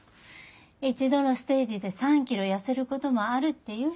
一度のステージで３ｋｇ痩せることもあるっていうし。